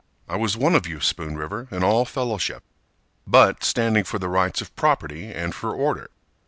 I was one of you, Spoon River, in all fellowship, But standing for the rights of property and for order.